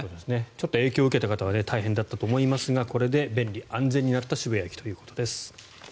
影響を受けた方は大変だったと思いますがこれで便利、安全になった渋谷駅ということです。